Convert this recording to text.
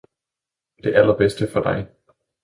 Det allerbedste for dig!